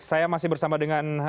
saya masih bersama dengan